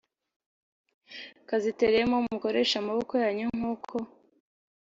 kazitereyemo mukoreshe amaboko yanyu nk uko